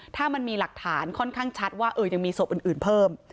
ถ้ามันมีหลักฐานค่อนข้างชัดว่ายังมีศพอื่นเพิ่ม